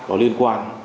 có liên quan